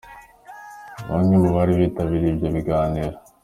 Bamwe mu bari bitabiriye ibyo biganiro.